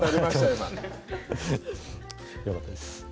今よかったです